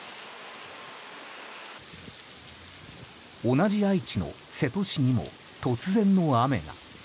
同じ愛知の瀬戸市にも突然の雨が。